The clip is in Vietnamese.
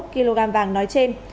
năm mươi một kg vàng nói trên